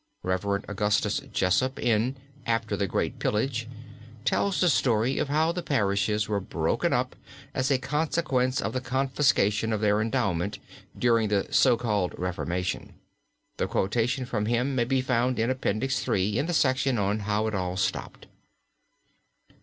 Rev. Augustus Jessopp, in "After the Great Pillage," tells the story of how the parishes were broken up as a consequence of the confiscation of their endowment during the so called reformation. The quotation from him may be found in Appendix III. in the section on "How it all stopped."